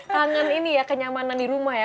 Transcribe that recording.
tangan ini ya kenyamanan di rumah ya